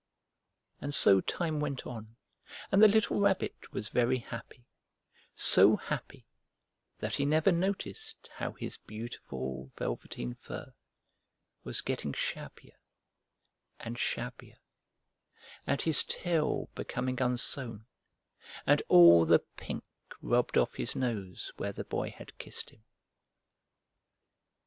And so time went on, and the little Rabbit was very happy so happy that he never noticed how his beautiful velveteen fur was getting shabbier and shabbier, and his tail becoming unsewn, and all the pink rubbed off his nose where the Boy had kissed him.